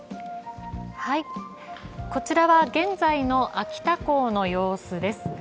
こちらは現在の秋田港の様子です。